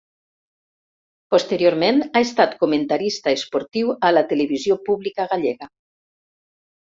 Posteriorment, ha estat comentarista esportiu a la televisió pública gallega.